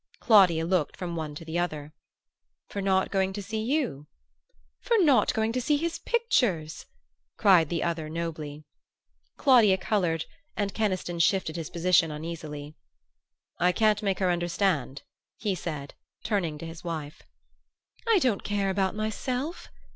Claudia looked from one to the other. "For not going to see you?" "For not going to see his pictures!" cried the other nobly. Claudia colored and Keniston shifted his position uneasily. "I can't make her understand," he said, turning to his wife. "I don't care about myself!"